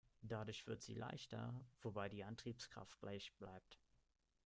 Dadurch wird sie leichter, wobei die Antriebskraft gleich bleibt.